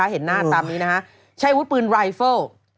เห็นหน้าตามนี้นะฮะใช้วุฒิปืนรายเฟิล